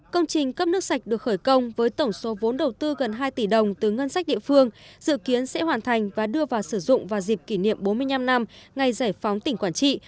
công trình cấp nước sạch được khởi công với tổng số vốn đầu tư gần hai tỷ đồng từ ngân sách địa phương dự kiến sẽ hoàn thành và đưa vào sử dụng vào dịp kỷ niệm bốn mươi năm năm ngày giải phóng tỉnh quảng trị